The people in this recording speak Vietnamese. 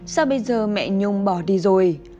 sao bây giờ mẹ nhung bỏ đi rồi